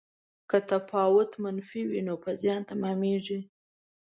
که تفاوت منفي وي نو په زیان تمامیږي.